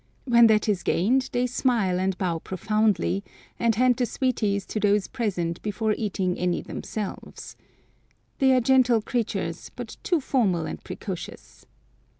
When that is gained they smile and bow profoundly, and hand the sweeties to those present before eating any themselves. They are gentle creatures, but too formal and precocious.